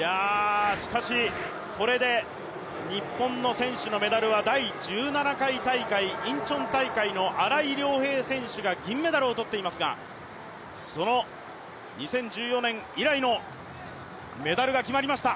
しかし、これで日本の選手のメダルは第１７回大会インチョン大会の選手が銀メダルをとっていますがその２０１４年以来のメダルが決まりました。